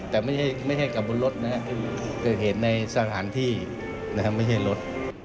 แต่ไม่ใช่กลับบนรถนะครับเกิดเหตุในสถานที่ไม่ใช่รถ